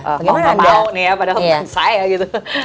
oh ya anda tahu nih ya padahal dengan saya gitu